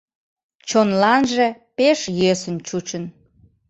Чонланже пеш йӧсын чучын.